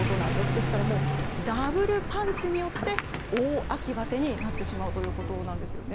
ですから、ダブルパンチによって大秋バテになってしまうということなんですよね。